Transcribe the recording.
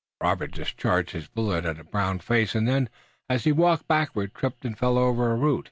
Robert discharged his bullet at a brown face and then, as he walked backward, he tripped and fell over a root.